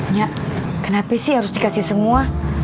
nyak kenapa sih harus dikasih semua